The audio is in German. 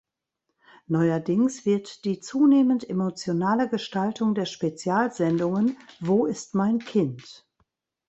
Neuerdings wird die zunehmend emotionale Gestaltung der Spezialsendungen "Wo ist mein Kind?